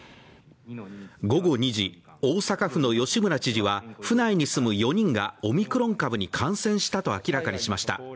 午後２時、大阪府の吉村知事は府内に住む４人がオミクロン株に感染したと明らかにしました。